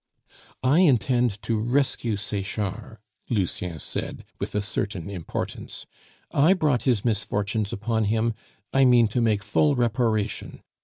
"I intend to rescue Sechard," Lucien said, with a certain importance. "I brought his misfortunes upon him; I mean to make full reparation.